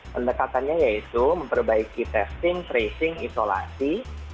pendekatannya yaitu memperbaiki testing tracing isolasi